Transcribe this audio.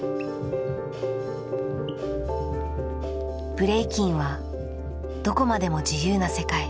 ブレイキンはどこまでも自由な世界。